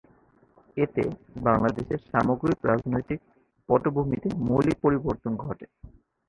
এতে বাংলাদেশের সামগ্রিক রাজনৈতিক পটভূমিতে মৌলিক পরিবর্তন ঘটে।